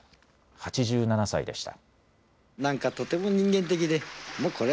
８７歳でした。